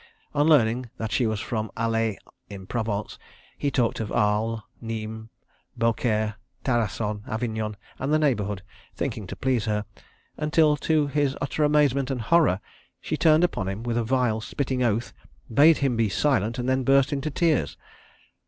On learning that she was from Alais in Provence, he talked of Arles, Nismes, Beaucaire, Tarascon, Avignon and the neighbourhood, thinking to please her, until, to his utter amazement and horror, she turned upon him with a vile, spitting oath, bade him be silent, and then burst into tears.